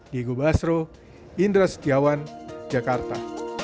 diego basro indra setiawan jakarta